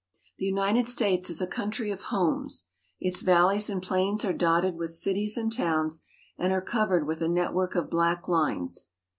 The United States is a country of homes. Its valleys and plains are dotted with cities and towns, and are cov ered with a network of black lines.